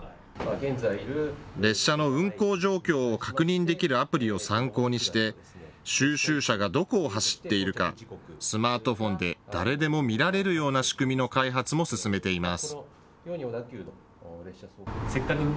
列車の運行状況を確認できるアプリを参考にして収集車がどこを走っているかスマートフォンで誰でも見られるような仕組みの開発も進めています。